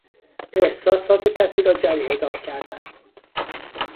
احساسات کسی را جریحهدار کردن